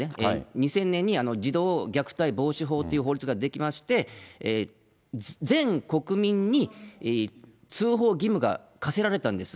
２０００年に児童虐待防止法という法律が出来まして、全国民に通報義務が課せられたんです。